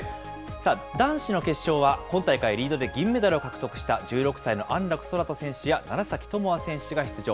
さあ、男子の決勝は今大会リードで銀メダルを獲得した、１６歳の安楽宙斗選手や楢崎智亜選手が出場。